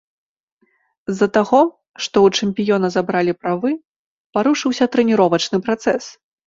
З-за таго, што ў чэмпіёна забралі правы, парушыўся трэніровачны працэс.